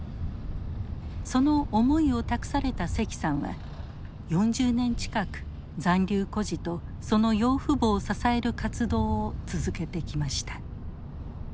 その思いを託された石さんは４０年近く残留孤児とその養父母を支える活動を続けてきました。